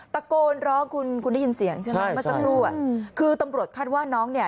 ตะโกนร้องคุณคุณได้ยินเสียงใช่ไหมเมื่อสักครู่อ่ะคือตำรวจคาดว่าน้องเนี่ย